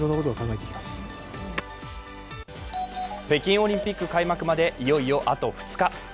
北京オリンピック開幕まで、いよいよあと２日。